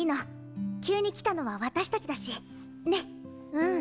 うん。